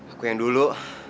aku yang dulu